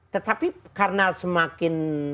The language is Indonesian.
tetapi karena semakin